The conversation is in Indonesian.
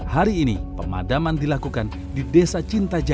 hari ini pemadaman dilakukan di desa cintai sumatera